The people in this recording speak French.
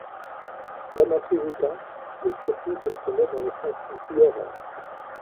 Comme à Suzuka, le circuit se prenait dans le sens anti-horaire.